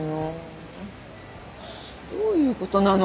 どういうことなの？